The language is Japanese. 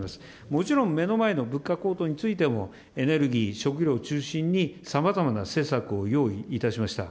もちろん目の前の物価高騰についても、エネルギー、食料中心にさまざまな施策を用意いたしました。